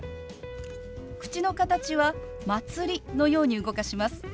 口の形は「まつり」のように動かします。